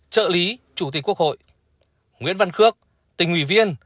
trợ lý chủ tịch quốc hội nguyễn văn khước tỉnh ủy viên